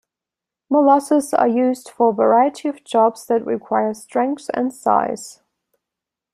Molossers are used for a variety jobs that require strength and size.